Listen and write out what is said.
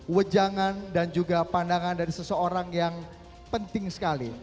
wejangan dan juga pandangan dari seseorang yang penting sekali